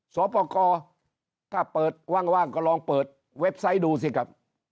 สอบประกอบถ้าเปิดว่างก็ลองเปิดเว็บไซต์ดูสิครับ